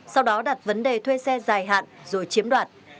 sau đó đặt vấn đề thuê xe dài hạn rồi chiếm đoạt